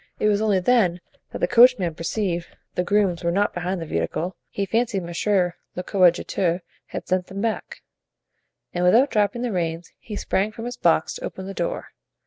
It was then only the coachman perceived the grooms were not behind the vehicle; he fancied monsieur le coadjuteur had sent them back, and without dropping the reins he sprang from his box to open the door.